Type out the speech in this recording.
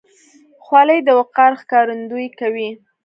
خولۍ د وقار ښکارندویي کوي.